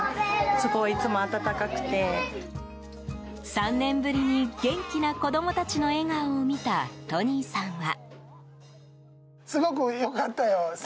３年ぶりに元気な子供たちの笑顔を見たトニーさんは。